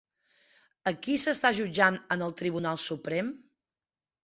A qui s'està jutjant en el Tribunal Suprem?